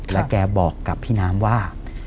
แล้วแกบอกกับพี่น้ำว่า